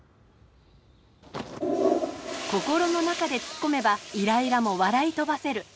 心の中でツッコめばイライラも笑い飛ばせる。